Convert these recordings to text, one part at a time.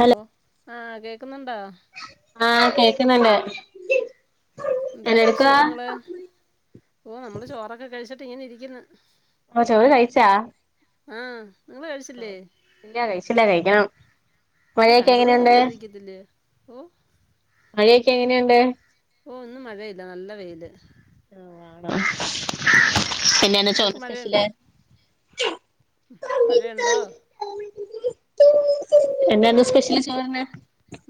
Hello ഓ ആഹ് കേക്കുന്നുണ്ടോ? ആഹ് കേക്ക്ണണ്ട്. ന്തുണ്ട് വിശേഷങ്ങള് ഓ നമ്മള് ചോറൊക്കെ കഴിച്ചിട്ട് ഇങ്ങനെ ഇരിക്ക്ന്ന്. ആഹ് ചോർ കയിച്ചോ? ആഹ്. നിങ്ങള് കഴിച്ചില്ലേ ഇല്ലൃ കഴിച്ചില്ല കഴിക്കണം. ഓ മഴയൊക്കെ രണ്ട് എങ്ങനെയുണ്ട് മണിയായാലും കഴിക്കത്തില്ലേ ഓ മഴയെക്കെങ്ങനെയുണ്ട്? ഓ ഇന്ന് മഴയില്ല നല്ല വെയില്. എന്നെയാണ് നിങ്ങക്ക് ചോറ് മഴയുണ്ടോ സ്പെഷ്യല്? മഴയുണ്ടോ? മഴ എന്നായിരുന്നു സ്പെഷ്യല് ചോറിന്ന്?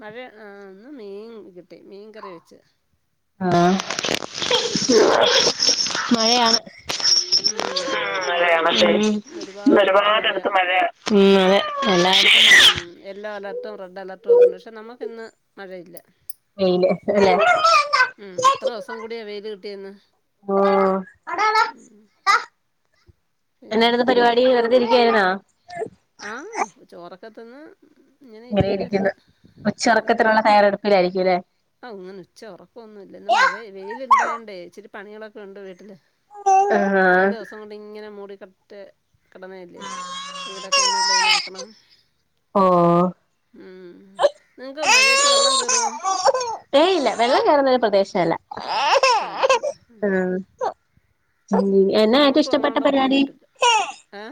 മഴ ആഹ് ഇന്ന് മീൻ കിട്ടി മീൻ കറി വെച്ച്. ആഹ് മഴയാണ്. ഉം മഴയാണല്ലേ ഉം ന്ന് ഒരുപാടട്ത്ത് മഴയാ ഒരുപാടടുത്ത് മഴ ഉം അതെ മഴ എല്ലായിടത്തും യെല്ലോ അലേർട്ടും റെഡ് അലർട്ടും ഒക്കെണ്ട് പക്ഷേ നമുക്കിന്ന് മഴയില്ല. വെയില് അല്ലെ. ഉം എത്ര ദിവസം കൂടിയാ വെയിൽ കിട്ടിയെന്ന്. ഓ പിന്നെ എന്നട് പരിപാടി? നി വെറുതെ ഇരിക്കായിരുന്നോ? ആഹ് ചോറൊക്കെ തിന്ന് ഇങ്ങനെ ഇരിക്കുവായിര്ന്ന്. അവരായിരിക്കും അല്ലേ ആഹ് ങ്ങനെ ഉച്ച ഉറക്കെന്നുല്ല ഇന്ന് മഴ വെയില് ഇണ്ടായോണ്ടേ ഇച്ചിരി പണികളൊക്കെ ഉണ്ട് വീട്ടില്. ആഹ് കൊറേ ദിവസം കൊണ്ട് ഇങ്ങനെ മൂടിക്കട്ട കടന്നേല്ലെ വീടൊക്കെ ഒന്ന് ക്ലീനാ ക്കണം. ഓ. മ്മ് നിങ്ങക്ക് മഴയത്ത് വെള്ളം കേറൂ? ഏ ഇല്ല വെള്ളം കേറുന്നൊരു പ്രദേശല്ല. അതെ അതെ. എന്നാ ഏറ്റവും ഇഷ്ടപ്പെട്ട പരിപാടി? ആഹ്.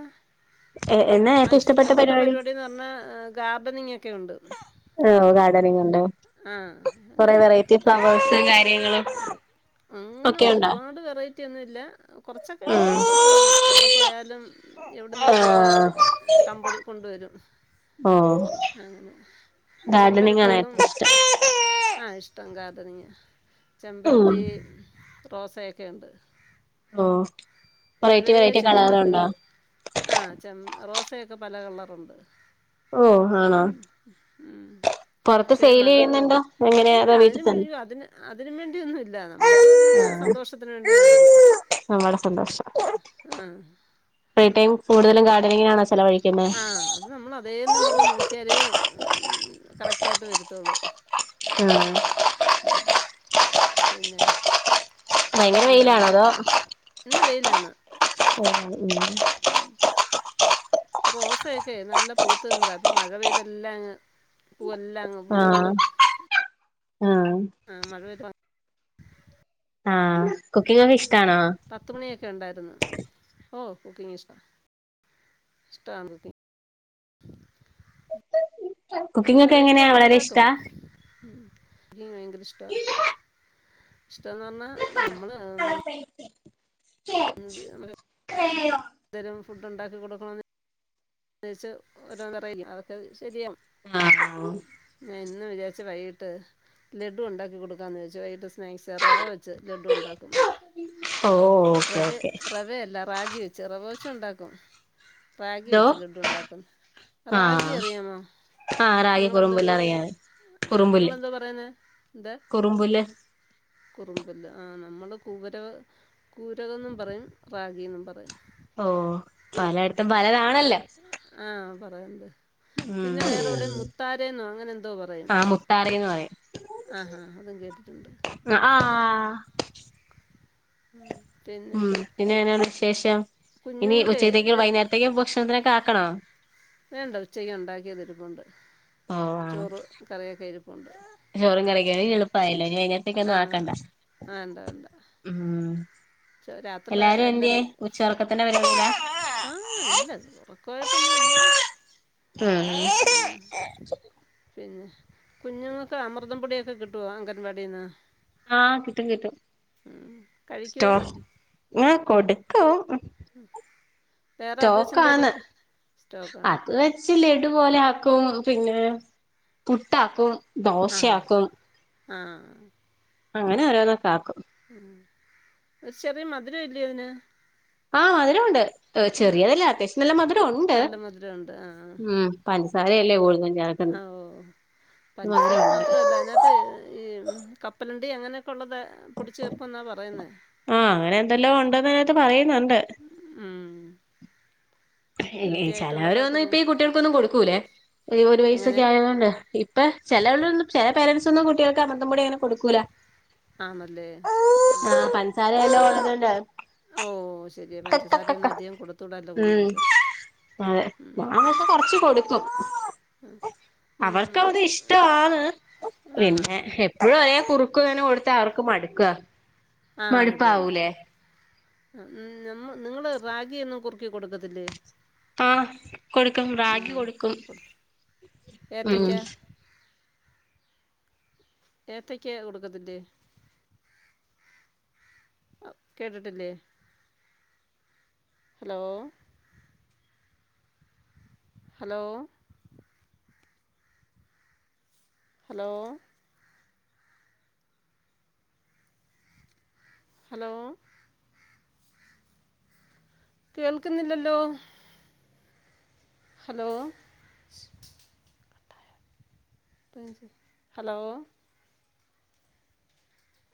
ഏ എന്നാ? ആഹ് ഏറ്റവും ഇഷ്ടപ്പെട്ട പരിപാടി പരിപാടിന്ന് പറ്ഞ്ഞാൽ ഗാർഡനിങ്ങ്ക്കെ ഉണ്ട്. ഓ ഗാർഡനിങ് ഉണ്ടോ? ആഹ് കൊറെേ അങ്ങനെ വെറൈറ്റി ഫ്ലവേഴ്സ് കാര്യങ്ങള് അങ്ങനെങ്ങ് ഒരുപാട് വെറൈ റ്റിയൊന്നുല്ല കുറ്ച്ചൊക്കെ ഉണ്ട് ഇഷ്ടമാണ് എവിടെ പോയാലും എവിടെുന്നെങ്കിലും ആഹ് ഒര്. കമ്പെടി കൊണ്ടുവരും. ഓ. അങ്ങനെ ഗാർഡനിങ് ആണ് ചെമ്പരത്തികളും. ഏറ്റവും ഇഷ്ടം ആഹ് ഇഷ്ടം ഗാർഡനിങ്ങ ഉം ചെമ്പരത്തി റോസായൊക്കെ ഉണ്ട്. ഓ വെറൈറ്റി പഴയ വെറൈറ്റി ചെടികളൊക്കെ കളറുണ്ടോ ഉണ്ട്. ആ ചെ റോസയൊക്കെ പല കളറുണ്ട് ഓ ആണോ ഉം ഉം. പുറത്ത് പക്ഷേ സെയിൽ മഴ ചെയ്യുന്നുണ്ടോ എങ്ങനെയാ ഇല്ല അതോ വീട്ടിൽ അതിന തന്നെ അതിന് അതിന് വേണ്ടിയൊന്നും ഇല്ല നമ്മുക്ക്. സന്തോഷത്തിന് വേണ്ടി നടുന്ന്. നമ്മളെ സന്തോഷം. ആഹ്. ഫ്രീ ടൈം കൂടുതലും ഗാർഡനിങ്ങിനാണോ ചെലവഴിക്കുന്നെ ആഹ് അത് നമ്മൾ അതേന്നും പറ്ഞ്ഞ് നോക്ക ക്കർ കറക്റ്റായിട്ട് വരുത്തുള്ളൂ ആ ആ പിന്നെ ഭയങ്കര എന്താ വെയിലാണോ അതോ ഇന്ന് വെയിലാണ് [unintelligible] ഉം റോസയൊക്കെ നല്ല പൂത്ത് നിന്താ ഇപ്പ മഴ പെയ്തെല്ലാം പൂവെല്ലാം അങ്ങ് കുഴിഞ്ഞു പോയി ആഹ ആ മഴ ആഹ് കുക്കിംഗ് ഒക്കെ ഇഷ്ടാണോ പത്ത്മണിയൊക്കെ ണ്ടായിരുന്നു ഓ കുക്കിംഗ ഇഷ് ഷ്ടാണ് ത് കുക്കിംഗ് ഒക്കെ വെറൈറ്റി എങ്ങനെയാ യോക്കെ വളരെ ഉണ്ടാക്കും ഇഷ്ടാ എ ഭയങ്കര ഇഷ്ടമാ ഇഷ്ടന്ന് പറഞ്ഞാൽ നമ്മള് [unintelligible] തരം ഫുഡ് ണ്ടാക്കി കൊടുക്കണം അച്ച് ഓരോന്നറും അതൊക്കെ ശരിയാണ് ആഹ് ഞാൻ ഇന്ന് വിചാരിച്ച വൈകിട്ട് ലഡു ഉണ്ടാക്കി കൊടുക്കാന്ന് ചോദച്ചു വൈകിട്ട് സ്നാക്സ് റവ വെ ച് ലഡു ഉണ്ടാക്കും ഓ ഓക്കെ റവ ഓക്കെ റവ അല്ല രാഗി വെച്ച് റവ വെച്ച് ണ്ടാക്കും രാഗി എന്തോ ണ്ടാക്കും രാഗി ആഹ് അറിയാമോ? ആഹ് റാഗി കുറുമ്പുല്ല് അറിയാം ആഹ് കുറുമ്പുല്ല് നിങ്ങെന്താ പറയുന്നെ എന്താ കുറുമ്പുല്ല് കുറുമ്പല്ല ആഹ് നമ്മള് കൂരക കൂരക ന്നും പറയും റാഗി ന്നും പറയും ഓ പലയിടത്തും പലതാണല്ലോ ആഹ് പറയാണ്ട് ഉം പിന്നെ വേറെവിടെ മുത്താരെന്നോ അങ്ങനെന്തോ പറയും ആഹ് മുത്താറിന്ന് പറയും ആഹാ അതും കേട്ടിട്ടുണ്ട് ആഹ് പിന്നെ പിന്നെനെയ വിശേഷം ഇനി ഉച്ചത്തേക്ക് കുഞ്ഞുങ്ങൾക്ക് വൈകുന്നേരത്തേക്ക് ഭക്ഷണത്തിനക്കെ ആക്കണോ? വേണ്ട ഉച്ചയും ഉണ്ടാക്കിയതിരിപ്പുണ്ട് ഓ ആണോ ചോറ് കറിയൊക്കെ ഇരിപ്പുണ്ട് ചോറും കറിക്കേ എളുപ്പായിങ്ങനെ ആഹ് ആ വേണ്ട വേണ്ട ഉം രാത്രി എന്ത്യേ എല്ലാരും ഉച്ചൊറക്കത്തിന്റെ പരിപാടിയിലാ ആഹ് ഇല്ല പോഴട്ടൊന്നുമില്ല ഉം മ് പിന്നെ കുഞ്ഞുങ്ങൾക്ക് അമൃതം പൊടിയൊക്കെ കിട്ടുമോ അംഗൻവാടിൽ നിന്ന്? ആഹ് കിട്ടും കിട്ടും കഴിക്കുമോ സ്റ്റോ ആ കൊടുക്കും വേറെ അത് വെച്ച് സ്റ്റോക്കാണ് എന്തെങ്കിലുമൊക്കെ സ്റ്റോക്കാണ് അത് ച്ച് ലഡു പോലെ ആക്കും പിന്നെ പുട്ടാക്കും ആ ഹാ ദോശയാക്കും ആഹ അങ്ങനെ ഓരോന്നൊക്കെ ആക്കും ഒരു ചെറിയ മധുരം ഇല്ലേ തിന് ആ മധുരമണ്ട് ആ ചെറിയതല്ല അത്യാവശ്യം നല്ല മധുരം ഉണ്ട് നല്ല മധുരമുണ്ട് ആ ആ. മ് പഞ്ചസാര അല്ലേ ഉയ് ന്ന് ആ ഓ പഞ്ചസാരം മാ മധുരമുണ്ട് ത്രല്ല അതിനകത്ത് ഈ കപ്പലുണ്ടി അങ്ങനെയൊക്കെ ഉള്ളത് പൊടിച്ച് ചേർക്കുമെന്നാണ് പറയുന്നത് ആഹ് അങ്ങനെ ന്തെല്ലോ ഉണ്ടന്ന് പറയുന്നുണ്ട് ഉം ഹെൽത്തി ആയിട്ടുള്ളതാ ചിലവരൊന്നും ഇപ്പ ഈ കുഞ്ഞുങ്ങൾക്ക് കുട്ടികൾക്കൊന്നും കൊടുക്കൂല്ലേ ഈ ഒരു എങ്ങനെ വയസ്സൊക്കെ ആയതുകൊണ്ട് ഇപ്പ ചിലവൾന്നും ചില പേരൻറ്സൊന്നും കുട്ടികൾക്ക് അഅമൃതപൊടി അങ്ങനെ കൊടുക്കൂല ആണല്ലേ ആഹ് [unintelligible] ഓ ശരി പഞ്ചസാരയൊന്നും കക്കക്കക്ക അധികം കൊടുത്തൂടല്ലോ ഉം കുഞ്ഞുങ്ങൾക്ക് അതെ ഉം. ഞാൻ പക്ഷെ കൊറച്ച് കൊടുക്കും അവർക്ക് ഉം. വത് ഇഷ്ടാണ് ആ ഹാ പിന്നെ ഹാ എന്നും ഒരേ കുറുക്കു കൊടുത്ത അവർക്ക് മടുക ആ അത് തന്നെ നിങ്ങള് റാഗി ഒന്നും കുറുക്കി കൊടുക്കത്തില്ലേ? ആഹ് കൊടുക്കും റാഗി ഉം. കൊടുക്കും കൊടു ഉ ഏത്തയ്ക്ക ഏത്തയ്ക്ക കൊടുക്കതി്ല്ലെ കേട്ടിട്ടില്ലേ ഹലോ ഹലോ ഹലോ ഹലോ കേൾക്കുന്നില്ലല്ലോ ഹലോ ഹലോ